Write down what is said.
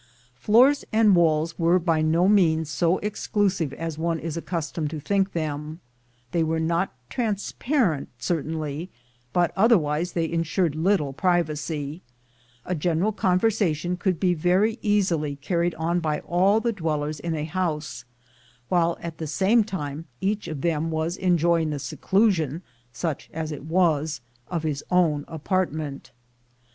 Floors and walls were by no means so exclusive as one is accustomed to think them; they were not transparent certainly, but otherwise they insured little privacy: a general conversation could be very easily carried on by all the dwellers in a house, while, at the same time, each of them was en joying the seclusion, such as it was, of his own apart ment.